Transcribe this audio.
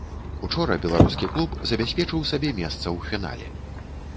Учора беларускі клуб забяспечыў сабе месца ў фінале.